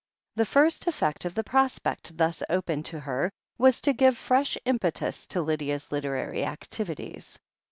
The first eflFect of the prospect thus opened to her was to give fresh impetus to Lydia's literary activities.